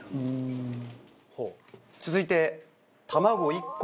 続いて。